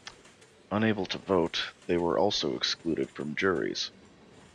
Unable to vote, they were also excluded from juries.